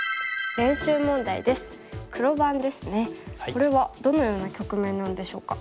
これはどのような局面なんでしょうか。